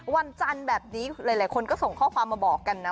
วันจันทร์แบบนี้หลายคนก็ส่งข้อความมาบอกกันนะ